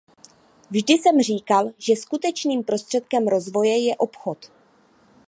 Vždy jsem říkal, že skutečným prostředkem rozvoje je obchod.